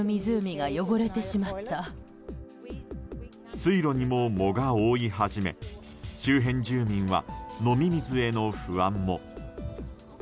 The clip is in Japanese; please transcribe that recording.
水路にも、藻が覆い始め周辺住民は飲み水への不安も。